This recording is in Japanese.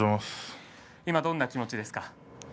どんな気持ちですか。